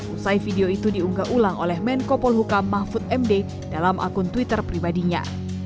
usai video itu diunggah ulang oleh menko polhukam mahfud md dalam akun twitter pribadinya